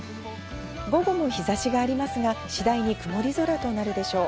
午後も日差しがありますが、次第に曇り空となるでしょう。